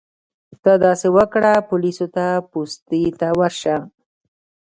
ته داسې وکړه پولیسو پوستې ته ورشه.